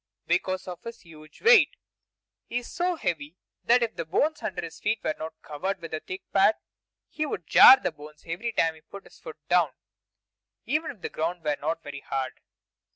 Because of his huge weight! He is so heavy that if the bones under his feet were not covered with a thick pad, he would jar the bones every time he put his foot down, even if the ground were not very hard.